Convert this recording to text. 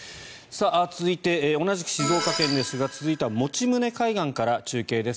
続いて同じく静岡県ですが続いては用宗海岸から中継です。